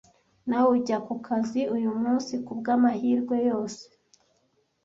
Nawe ujya kukazi uyumunsi, kubwamahirwe yose?